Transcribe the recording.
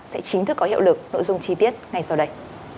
sẽ chính thức có hiệu lực nội dung chi tiết ngay sau đây